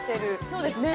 そうですね。